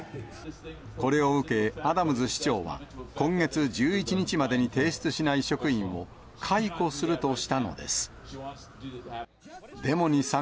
これを受けアダムズ市長は、今月１１日までに提出しない職員を、解雇するとしたのです。